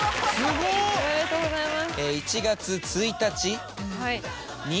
おめでとうございます。